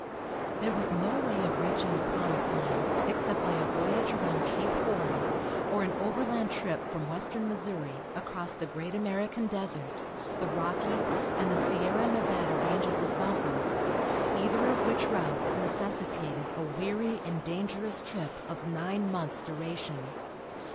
There was no way of reaching the promised land except by a voyage around Cape Horn or an overland trip from western Missouri across the great American desert, the Rocky and Sierra Nevada ranges of mountains, either of which routes necessitated a weary and dangerous trip of nine months' duration.